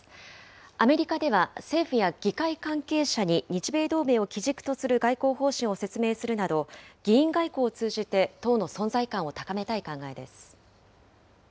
アメリカでは、政府や議会関係者に日米同盟を基軸とする外交方針を説明するなど、議員外交を通じて党の存在感を高めたい考えです。